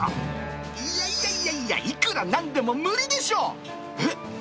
いやいやいやいや、いくらなんでも無理でしょ。